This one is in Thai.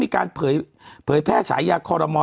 การเผยแพร่ฉายาคอรมอล